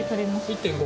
１．５。